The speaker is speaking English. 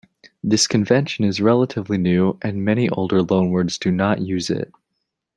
This convention is relatively new, and many older loanwords do not use it.